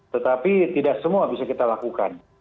tetapi tidak semua bisa kita lakukan